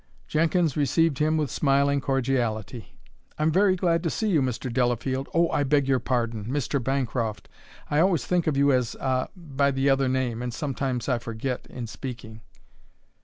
Jenkins received him with smiling cordiality. "I'm very glad to see you, Mr. Delafield oh, I beg your pardon! Mr. Bancroft. I always think of you as ah, by the other name and I sometimes forget in speaking."